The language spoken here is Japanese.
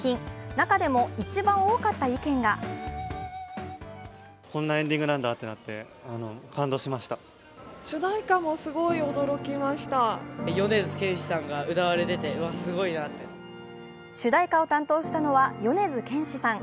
中でも一番多かった意見が主題歌を担当したのは米津玄師さん。